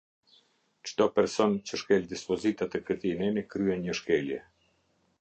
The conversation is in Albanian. Çdo person që shkel dispozitat e këtij neni kryen një shkelje.